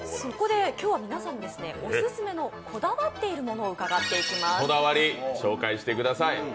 そこで今日はオススメのこだわっているものをお伺いしてまいります。